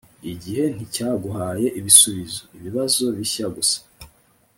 igihe nticyaguhaye ibisubizo, ibibazo bishya gusa